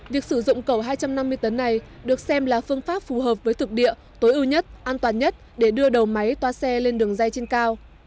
việc sử dụng cầu hai trăm năm mươi tấn này được xem là phương pháp phù hợp với thực địa tối ưu nhất an toàn nhất để đưa đầu máy toa xe lên đường dây trên cao